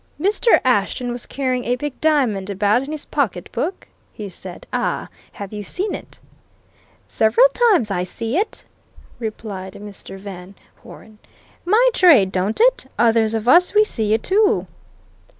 "Mr. Ashton was carrying a big diamond about in his pocketbook?" he said. "Ah have you seen it?" "Several times I see it," replied Mr. Van Hoeren. "My trade, don't it? Others of us we see it too."